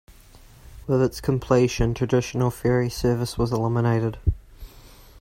With its completion, traditional ferry service was eliminated.